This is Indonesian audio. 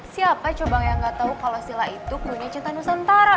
siapa coba yang enggak tau kalo sila itu punya cinta nusantara